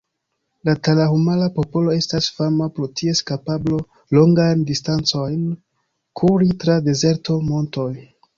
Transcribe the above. La Tarahumara-popolo estas fama pro ties kapablo, longajn distancojn kuri tra dezerto, montoj.